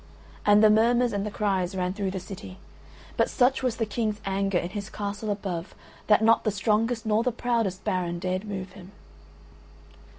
And the murmurs and the cries ran through the city, but such was the King's anger in his castle above that not the strongest nor the proudest baron dared move him.